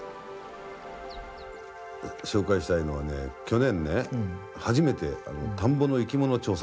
紹介したいのはね去年初めて田んぼの生き物調査ってやったね。